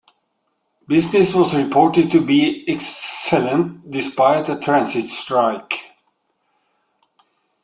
Business was reported to be excellent despite a transit strike.